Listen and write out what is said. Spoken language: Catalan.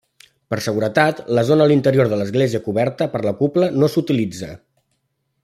Per seguretat la zona a l'interior de l'església coberta per la cúpula no s'utilitza.